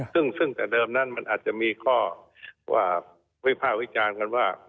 แต่เตือนั้นมันอาจจะมีข้อว่าวิพาควิจารณ์ว่า